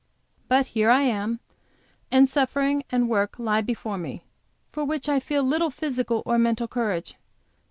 But here I am, and suffering and work lie before me, for which I feel little physical or mental courage.